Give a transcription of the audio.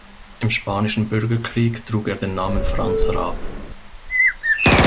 Im Spanischen Bürgerkrieg trug er den Namen Franz Raab.